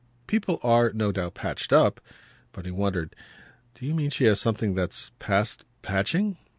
"People are, no doubt, patched up." But he wondered. "Do you mean she has something that's past patching?"